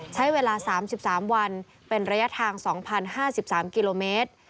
ใช้เวลา๓๓วันเป็นระยะทาง๒๐๕๓กิโลเมตร